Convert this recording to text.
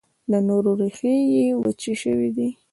د نور، ریښې یې وچي شوي دي